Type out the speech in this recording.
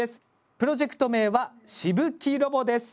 プロジェクト名は「飛沫ロボ」です。